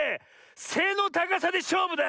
せのたかさでしょうぶだ！